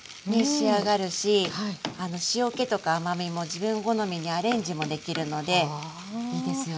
仕上がるし塩けとか甘みも自分好みにアレンジもできるのでいいですよね。